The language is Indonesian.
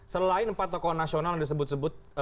selain empat tokoh nasional yang disebut sebut